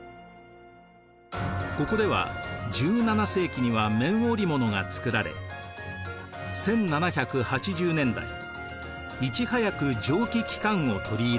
ここでは１７世紀には綿織物が作られ１７８０年代いち早く蒸気機関を取り入れました。